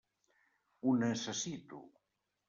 Ho necessito.